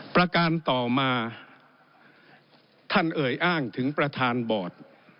ประการต่อมาท่านเอ่ยอ้างถึงประธานบอร์ด